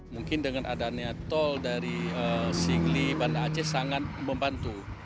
mungkin dengan adanya tol dari singli banda aceh sangat membantu